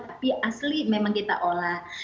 tapi asli memang kita olah